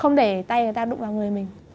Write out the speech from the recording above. không để tay người ta đụng vào người mình